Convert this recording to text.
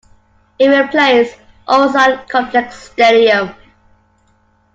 It replaced Ulsan Complex Stadium.